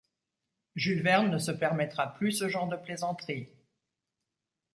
Jules Verne ne se permettra plus ce genre de plaisanterie.